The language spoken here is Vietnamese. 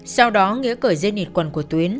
sau đó nghĩa cởi dây nịt quần của tuyến